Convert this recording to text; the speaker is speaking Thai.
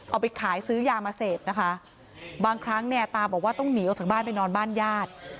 เอาไปขายซื้อยามาเสพนะคะบางครั้งเนี่ยตาบอกว่าต้องหนีออกจากบ้านไปนอนบ้านญาติ